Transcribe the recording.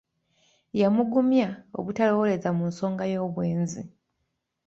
Yamugumya obutalowooleza mu nsonga y'obwenzi.